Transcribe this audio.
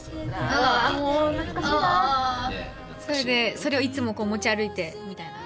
それをいつも持ち歩いてみたいな？